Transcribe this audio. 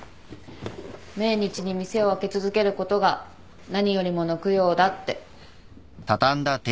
「命日に店を開け続けることが何よりもの供養だ」って。